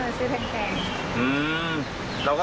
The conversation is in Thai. เราก็มาขายตามปกติ